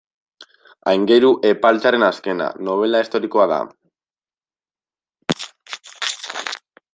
Aingeru Epaltzaren azkena, nobela historikoa da.